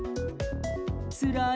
つらい。